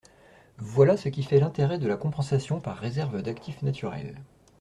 Voilà ce qui fait l’intérêt de la compensation par réserve d’actifs naturels.